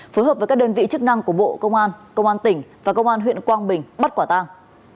phối hợp với các đơn vị chức năng của bộ công an công an tỉnh và công an huyện quang bình bắt quả tang